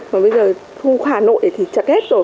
mà bây giờ hà nội thì chật hết rồi